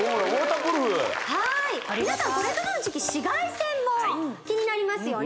はい皆さんこれからの時期紫外線も気になりますよね